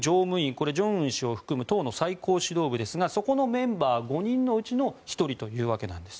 これは、正恩氏を含む党の最高指導部ですがそこのメンバー５人のうちの１人というわけです。